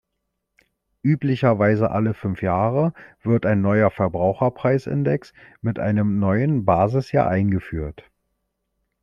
Üblicherweise alle fünf Jahre wird ein neuer Verbraucherpreisindex mit einem neuen Basisjahr eingeführt.